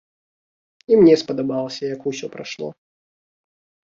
І мне спадабалася, як усё прайшло.